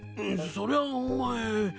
そりゃお前。